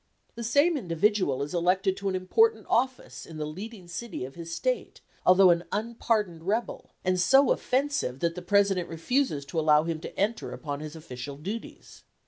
The same individual is elected to an important office in the leading city of his State, although an unpardoned rebel, and so offensive that the President refuses to allow him to enter upon his official duties.